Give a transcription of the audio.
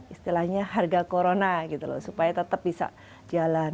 istilahnya harga corona supaya tetap bisa jalan